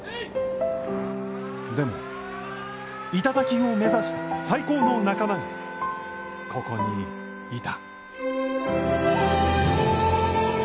でも、頂を目指した最高の仲間が、ここにいた。